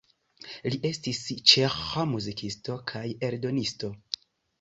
Li estis ĉeĥa muzikisto kaj eldonisto.